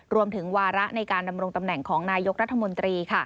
รวมถึงวาระในการดำรงตำแหน่งของนายกรัฐมนตรี